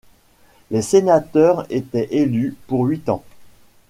Les sénateurs étaient élus pour huit ans.